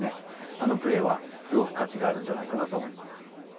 あのプレーはすごく価値があるんじゃないかなと思います。